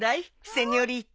セニョリータ。